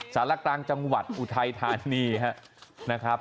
สารกลางจังหวัดอุทัยธานีนะครับ